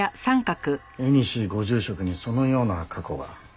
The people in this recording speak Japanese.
江西ご住職にそのような過去が。